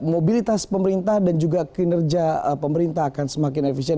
mobilitas pemerintah dan juga kinerja pemerintah akan semakin efisien